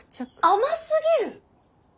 甘すぎる。